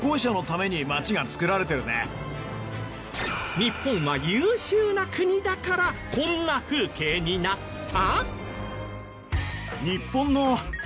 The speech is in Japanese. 日本は優秀な国だからこんな風景になった？